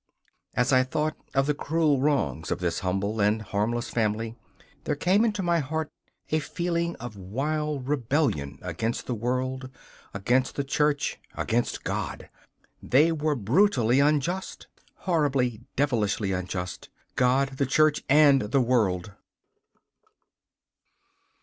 As I thought of the cruel wrongs of this humble and harmless family there came into my heart a feeling of wild rebellion against the world, against the Church, against God! They were brutally unjust, horribly, devilishly unjust! God, the Church, and the world.